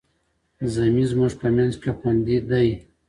ذمي زموږ په منځ کي خوندي دی.